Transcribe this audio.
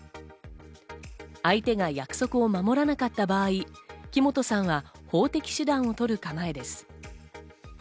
相手が約束を守らなかった場合、木本さんは法的手段を取る構えです。